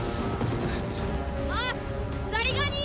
あっザリガニ！